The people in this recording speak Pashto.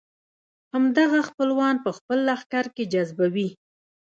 همدغه خپلوان په خپل لښکر کې جذبوي.